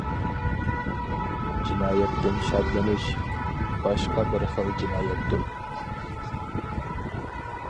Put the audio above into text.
جىنايەتتىن شادلىنىش، باشقا بىر خىل جىنايەتتۇر.